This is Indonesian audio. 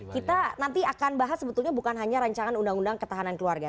kita nanti akan bahas sebetulnya bukan hanya rancangan undang undang ketahanan keluarga